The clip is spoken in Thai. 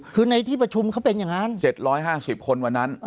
คือในที่ประชุมเขาเป็นอย่างนั้น๗๕๐คนวันนั้น